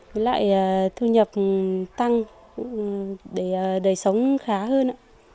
với lại thu nhập tăng để sống khá hơn